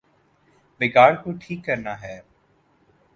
بگاڑ کو ٹھیک کرنا ہے۔